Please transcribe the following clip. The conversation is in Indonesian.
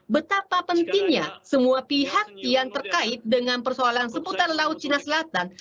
betapa pentingnya semua pihak yang terkait dengan persoalan seputar laut cina selatan